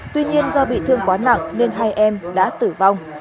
tuy nhiên do bị thương quá nặng nên hai em đã tử vong